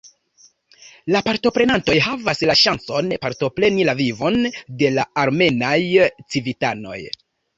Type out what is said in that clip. La partoprenantoj havas la ŝancon partopreni la vivon de la armenaj civitanoj.